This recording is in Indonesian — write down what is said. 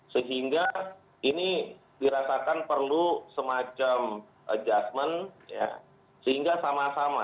sehingga ini dirasakan perlu semacam adjustment sehingga sama sama